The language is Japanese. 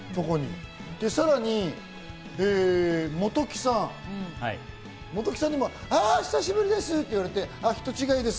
さらに、本木さん、あ久しぶりです！って言われて、人違いです！